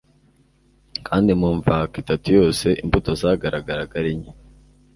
kandi mu mvaka itatu yose, imbuto zagaragaraga ari nke.